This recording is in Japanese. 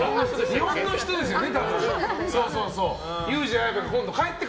日本の人ですよね。